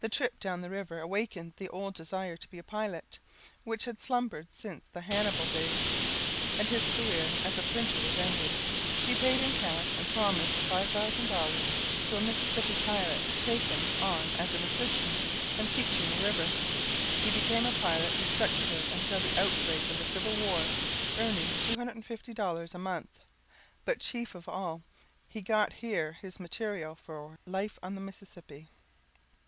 The trip down the river awakened the old desire to be a pilot, which had slumbered since the Hannibal days, and his career as a printer was ended. He paid in cash and promised $500 to a Mississippi pilot to take him on as an assistant and "teach him the river." He became a pilot and stuck to it until the outbreak of the civil war, earning $250 a month, but chief of all he got here his material for "Life on the Mississippi."